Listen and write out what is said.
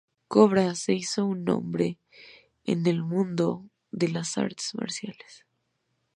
Kobra se hizo un nombre en el mundo de las artes marciales.